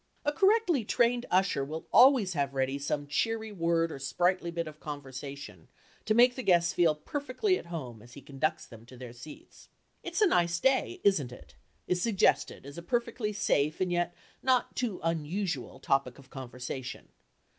A correctly trained usher will always have ready some cheery word or sprightly bit of conversation to make the guests feel perfectly at home as he conducts them to their seats. "It's a nice day, isn't it?" is suggested as a perfectly safe and yet not too unusual topic of conversation.